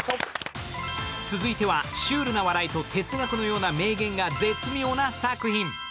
続いては、シュールな笑いと哲学のような名言が絶妙な作品。